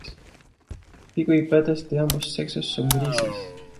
Pico y patas de ambos sexos son grises.